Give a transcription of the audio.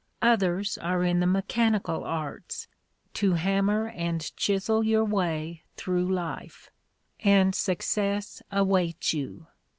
Others are in the mechanical arts, to hammer and chisel your way through life; and success awaits you.